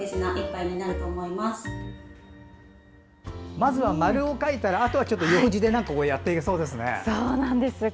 まずは丸を描いたらあとは、ようじでこうやっていけそうですね。